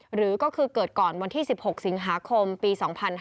หรือก็คือเกิดก่อนวันที่๑๖สิงหาคมปี๒๕๕๙